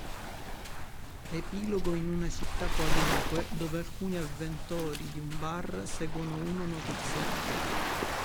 Epilogo in una città qualunque, dove alcuni avventori di un bar seguono uno notiziario.